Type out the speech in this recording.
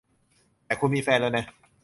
แต่คุณมีแฟนแล้วนะ